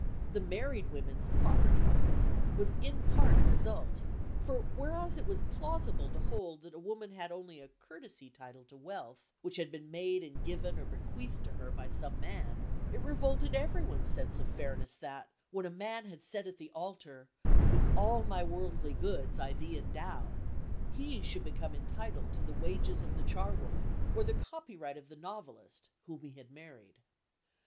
The Married Women's Property Act was in part a result; for whereas it was plausible to hold that a woman had only a courtesy title to wealth which had been made and given or bequeathed to her by some man, it revolted everyone's sense of fairness that, when a man had said at the altar, "With all my worldly goods I thee endow," he should become entitled to the wages of the charwoman or the copyright of the novelist whom he had married.